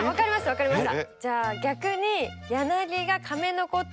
分かりました。